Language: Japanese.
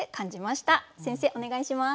先生お願いします。